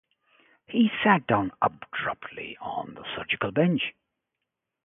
He sat down abruptly on the surgical bench.